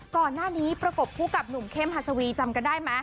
ก่อนหน้านี้ประกบคู่กับหนุ่มเข้มฮัศวีจำกันได้ไหม